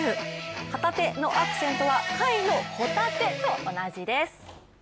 旗手のアクセントは貝のホタテと同じです。